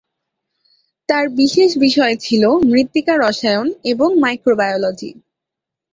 তাঁর বিশেষ বিষয় ছিল মৃত্তিকা রসায়ন এবং মাইক্রোবায়োলজি।